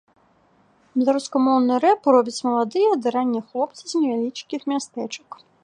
Беларускамоўны рэп робяць маладыя ды раннія хлопцы з невялічкіх мястэчак.